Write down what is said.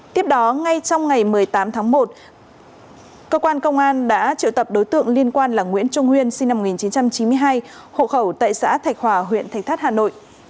tiếp đó ngay trong ngày một mươi tám tháng một cơ quan công an đã triệu tập đối tượng liên quan là nguyễn trung nguyên sinh năm một nghìn chín trăm chín mươi hai hộ khẩu tại xã thạch hòa huyện thạch thất hà nội